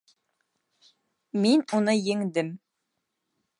Мин уны еңдем.